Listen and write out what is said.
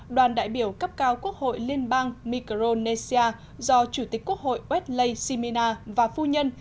đoàn đại biểu cấp cao quốc hội liên bang micronesia do chủ tịch quốc hội westley shimina và phu nhân